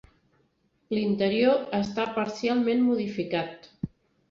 L'interior està parcialment modificat.